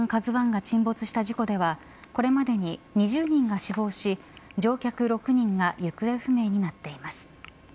ＫＡＺＵＩが沈没した事故ではこれまでに２０人が死亡し乗客６人が行方不明になっています。